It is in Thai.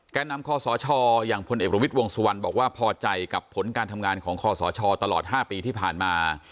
แก้นำขศอย่างพรนเอกลวิทย์วงศ์สวรรคบอกว่าพอใจกับผลการทำงานของขศตลอด๕ปีที่ผ่านมา